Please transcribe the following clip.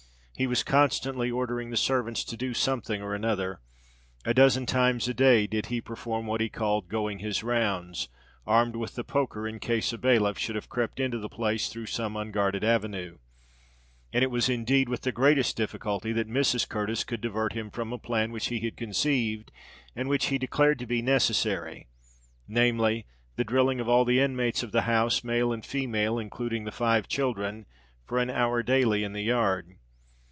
He was constantly ordering the servants to do something or another: a dozen times a day did he perform what he called "going his rounds," armed with the poker in case a bailiff should have crept into the place through some unguarded avenue;—and it was indeed with the greatest difficulty that Mrs. Curtis could divert him from a plan which he had conceived and which he declared to be necessary—namely, the drilling of all the inmates of the house, male and female, including the five children, for an hour daily in the yard.